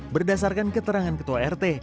berdasarkan keterangan ketua rt